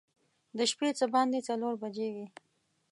د شپې څه باندې څلور بجې وې.